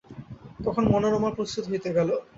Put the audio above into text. তখন মনোরমা প্রস্তুত হইতে গেল।